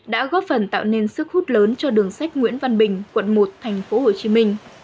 đã góp phần tạo nên sức hút lớn cho đường sách nguyễn văn bình quận một tp hcm